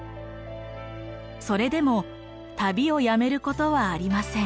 それでも旅をやめることはありません。